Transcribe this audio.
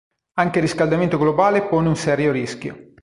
Anche il riscaldamento globale pone un serio rischio.